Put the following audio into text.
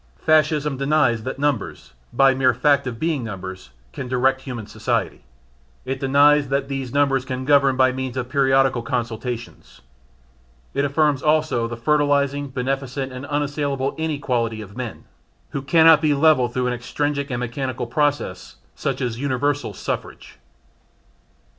Fascism denies that numbers, by the mere fact of being numbers, can direct human society; it denies that these numbers can govern by means of periodical consultations; it affirms also the fertilising, beneficient and unassailable inequality of men, who cannot be levelled through an extrinsic and mechanical process such as universal suffrage.